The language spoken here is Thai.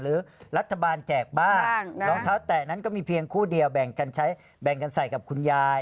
หรือรัฐบาลแจกบ้างรองเท้าแตะนั้นก็มีเพียงคู่เดียวแบ่งกันใช้แบ่งกันใส่กับคุณยาย